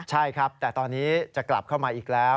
ใช่แต่ตอนนี้จะกลับมาอีกแล้ว